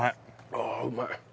ああうまい。